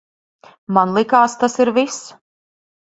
Man likās, tas ir viss.